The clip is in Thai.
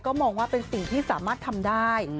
มองว่าเป็นสิ่งที่สามารถทำได้